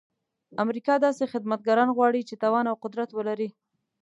امریکا داسې خدمتګاران غواړي چې توان او قدرت ولري.